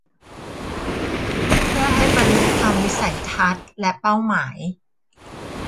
เพื่อให้บรรลุตามวิสัยทัศน์และเป้าหมาย